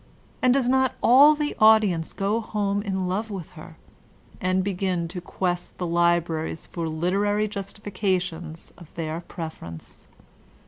And does not all the audience go home in love with her? And b^in to quest the libraries for literary justifications of their preference?